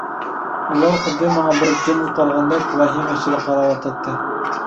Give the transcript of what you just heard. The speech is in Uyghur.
ئۇلار خۇددى ماڭا بىر جىنغا قارىغاندەك ۋەھىمە ئىچىدە قاراۋاتاتتى.